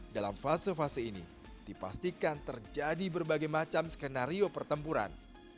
dalam fase fase ini dipastikan terjadi berbagai macam skenario pertempuran